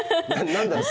何だろう